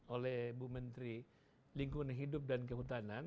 oleh bu menteri lingkungan hidup dan kehutanan